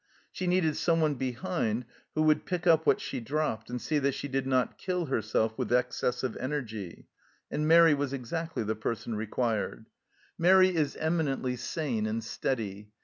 She needed someone behind who would pick up what she dropped and see that she did not kill herself with excess of energy, and Mairi was exactly the person required. Mairi is VARIED LIFE IN PERVYSE 141 eminently sane and steady.